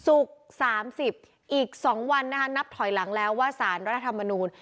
สุกสามสิบอีกสองวันนะคะนับถอยหลังแล้วว่าสารรัฐมนุน